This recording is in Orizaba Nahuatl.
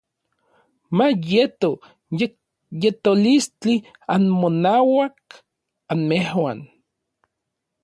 Ma yeto yekyetolistli anmonauak anmejuan.